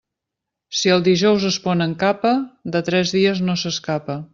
Si el dijous es pon amb capa, de tres dies no s'escapa.